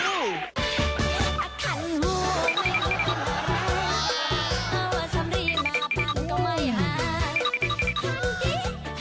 ถ้าคันหัวไม่รู้กันอะไรถ้าว่าทำรีมาบ้างก็ไม่อาจ